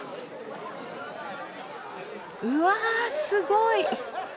うわすごい！